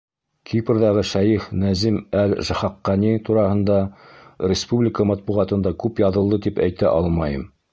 Кипрҙағы шәйех Нәзим әл-Хаҡҡани тураһында республика матбуғатында күп яҙылды тип әйтә алмайым.